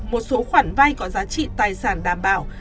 một số khoản vay có giá trị tài sản đảm bảo